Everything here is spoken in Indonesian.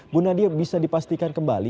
bu nadia bisa dipastikan kembali